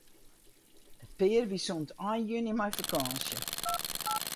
It pear wie sûnt ein juny mei fakânsje.